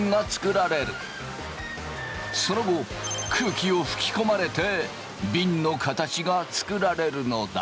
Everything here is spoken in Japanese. その後空気を吹き込まれてびんの形が作られるのだ。